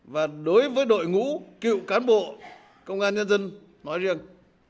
và đối với đội ngũ cựu cán bộ công an nhân dân nói riêng